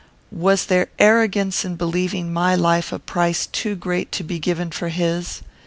Was there arrogance in believing my life a price too great to be given for his?